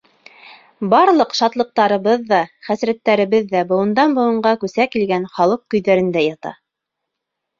Барлыҡ шатлыҡтарыбыҙ ҙа, хәсрәттәребеҙ ҙә быуындан быуынға күсә килгән халыҡ көйҙәрендә ята.